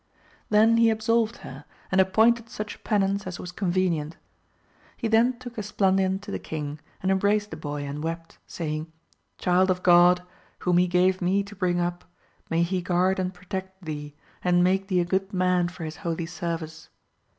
Then he absolved her, and appointed such penance as was convenient. He then took Esplandian to the king, and embraced the boy and wept, saying. Child of Grod, whom he gave me to bring up, may he guard and protect thee, and make thee a good man for his holy service